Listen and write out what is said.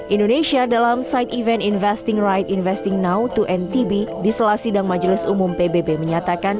indonesia dalam side event investing right investing now to ntb di selah sidang majelis umum pbb menyatakan